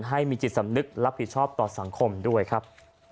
ให้มีจิตสำนึกรับผิดชอบต่อสังคมด้วยครับ